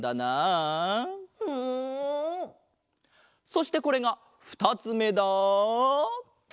そしてこれが２つめだ！